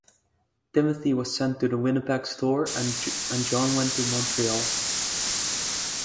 Timothy was sent to the Winnipeg store and John went to Montreal.